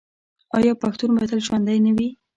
آیا پښتون به تل ژوندی نه وي؟